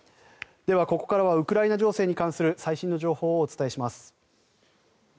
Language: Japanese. では、ここからはウクライナ情勢に関する最新の情報をお伝えします。